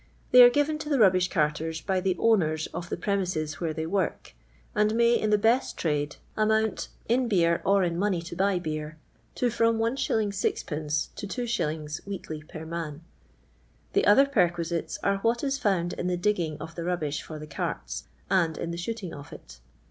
Tht y are iriveii to the rubbish carters by tlie owners of the pre mises where tliey work, and may, in the best trade, amo mt. in beer or in money to buy beer, to from lit. Cd. to '2j(. weekly per man. The other perquisites are what is found in the digiiin^f of the rubbish for the carts and in the sh<»oting of it.